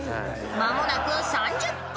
［間もなく３０分］